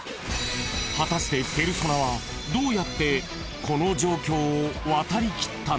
［果たしてペルソナはどうやってこの状況を渡りきったのか？］